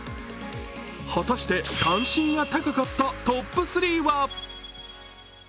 果たして、関心が高かったトップ３は？